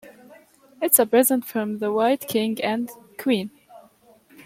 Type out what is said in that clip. It’s a present from the White King and Queen.